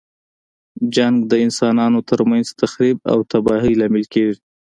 جنګ د انسانانو تر منځ تخریب او تباهۍ لامل کیږي.